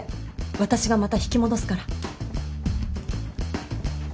私がまた引き戻すから。